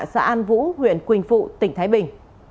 xã an vũ huyện quỳnh phụ tỉnh thái bình